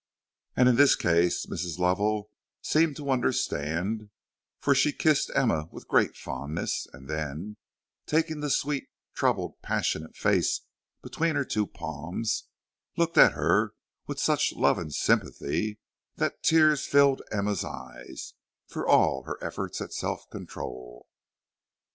And in this case Mrs. Lovell seemed to understand, for she kissed Emma with great fondness, and then, taking the sweet, troubled, passionate face between her two palms, looked at her with such love and sympathy that the tears filled Emma's eyes, for all her efforts at self control.